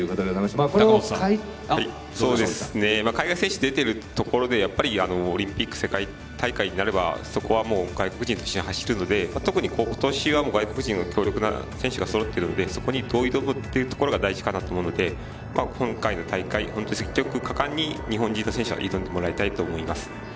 海外選手出ているところでやっぱりオリンピック世界大会になればそこは外国人と一緒に走るので特に今年は外国人の強力な選手がそろっているので、そこにどう挑むかというのが大事だと思うので今回の大会、積極的に果敢に日本の選手たちは挑んでほしいと思います。